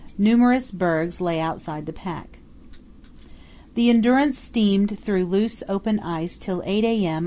Numerous bergs lay outside the pack. The Endurance steamed through loose open ice till 8 a.m.